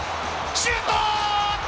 シュート。